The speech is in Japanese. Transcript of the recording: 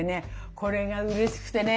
これがうれしくてね